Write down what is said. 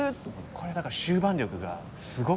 これだから終盤力がすごく強い。